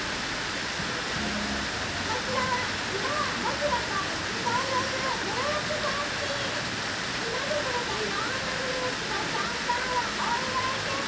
こちらは「島はぼくらと」に登場する島でとれたいろんなフルーツとシャンパンはお祝い気分！